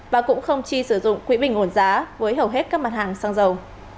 và cũng không chi sử dụng quỹ bình ổn giá với hầu hết các mặt hàng xăng dầu